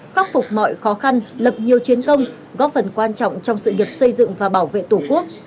khắc phục mọi khó khăn lập nhiều chiến công góp phần quan trọng trong sự nghiệp xây dựng và bảo vệ tổ quốc